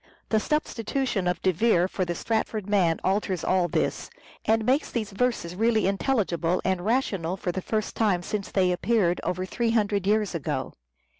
The substitution of De Vere for the Stratford man alters all this, and makes these verses really intelligible and rational for the first time since they appeared — over three hundred years ago.